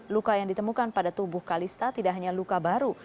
luka yang ditemukan pada tubuh kalista tidak hanya luka baru